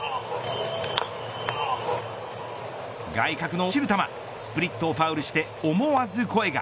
外角の落ちる球スプリットをファウルして思わず声が。